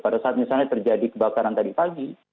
pada saat misalnya terjadi kebakaran tadi pagi